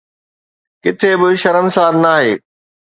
ڪٿي به شرمسار ناهي.